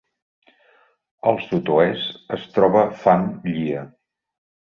A sud-oest es troba Fan Llia.